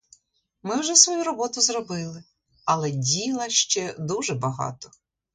Ми вже свою роботу зробили, але діла ще дуже багато.